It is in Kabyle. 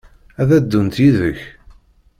Ad d-ddunt yid-k?